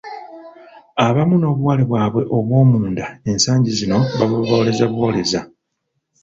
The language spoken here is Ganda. Abamu n'obuwale bwabwe obw'omunda ensangi zino babubooleza bwoleza!